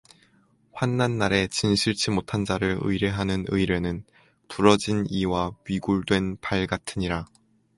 환난날에 진실치 못한 자를 의뢰하는 의뢰는 부러진 이와 위골된 발 같으니라